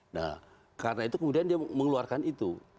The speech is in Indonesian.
nah karena itu kemudian dia mengeluarkan itu